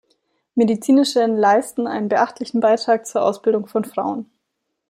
Medizinische Nleisten einen beachtlichen Beitrag zur Ausbildung von Frauen.